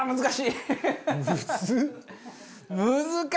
難しいな！